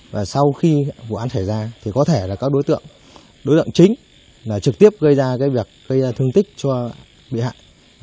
và sau khi vụ án xảy ra thì có thể là các đối tượng đối tượng chính là trực tiếp gây ra cái việc gây ra thương tích cho bị hại